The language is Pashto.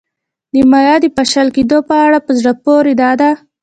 د مایا د پاشل کېدو په اړه په زړه پورې دا ده